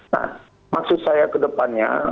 nah maksud saya kedepannya